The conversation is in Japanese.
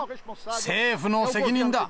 政府の責任だ。